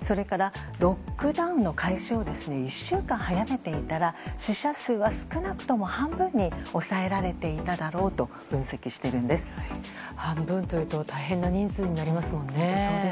それから、ロックダウンの開始を１週間早めていたら死者数は少なくとも半分に抑えられていただろうと半分というと大変な人数になりますもんね。